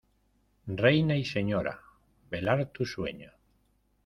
reina y señora, velar tu sueño.